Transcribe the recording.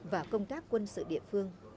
và công tác quân sự địa phương